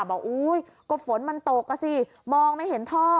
อุ๊ยก็ฝนมันตกอ่ะสิมองไม่เห็นท่อ